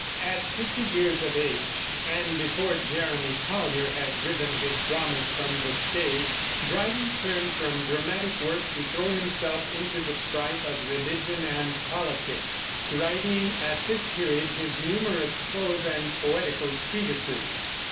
At fifty years of age, and before Jeremy Collier had driven his dramas from the stage, Dryden turned from dramatic work to throw himself into the strife of religion and politics, writing at this period his numerous prose and poetical treatises.